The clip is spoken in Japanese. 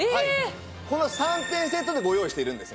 この３点セットでご用意しているんですね。